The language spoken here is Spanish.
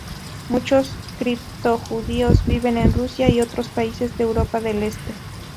Muchos criptojudíos viven en Rusia y otros países de Europa del Este.